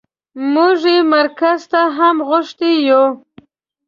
موږ يې مرکز ته هم غوښتي يو.